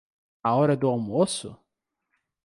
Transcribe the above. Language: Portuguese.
A hora do almoço?